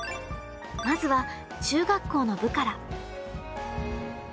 まずは中学校の部から。